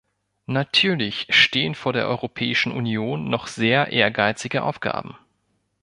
Natürlich stehen vor der Europäischen Union noch sehr ehrgeizige Aufgaben.